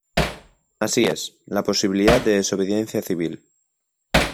Así es, la posibilidad de desobediencia civil.